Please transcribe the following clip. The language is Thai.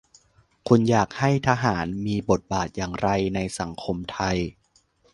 คุณอยากให้ทหาร มีบทบาทอย่างไร ในสังคมไทย ?